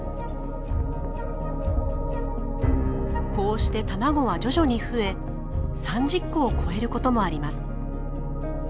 こうして卵は徐々に増え３０個を超えることもあります。